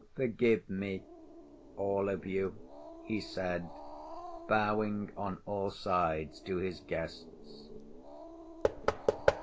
Forgive me, all of you!" he said, bowing on all sides to his guests.